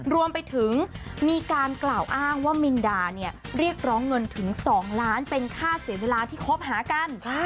รวมไปถึงมีการกล่าวอ้างว่ามินดาเนี่ยเรียกร้องเงินถึง๒ล้านเป็นค่าเสียเวลาที่คบหากัน